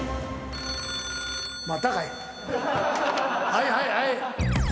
はいはいはい。